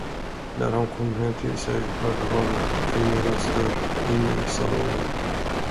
När han kom hem till sig, hörde han kvinnoröster inne i salongen.